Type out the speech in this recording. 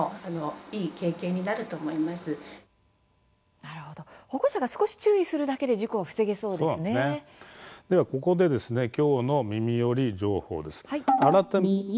なるほど、保護者が少し注意するだけでここできょうのみみより情報です。